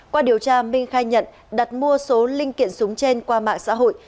qua điều tra minh khai nhận đặt mua số linh kiện súng trên qua mạng xã hội